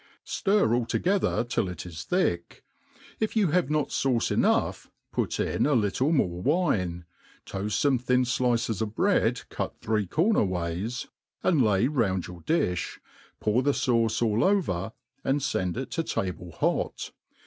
Stir all together till it is thick ; if you have not fauce enough, put in a little more wine, toaft fome thin flices of bread cut three* corner ways, and hy round y^^r.^difli, pour the fauce all over, and fend it to table hot.